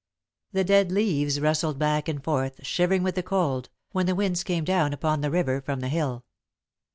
The dead leaves rustled back and forth, shivering with the cold, when the winds came down upon the river from the hill.